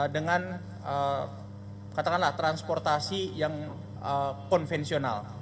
dengan transportasi yang konvensional